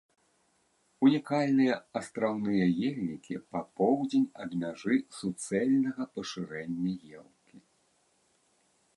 Унікальныя астраўныя ельнікі па поўдзень ад мяжы суцэльнага пашырэння елкі.